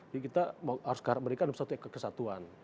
jadi kita harus garap mereka dalam satu kesatuan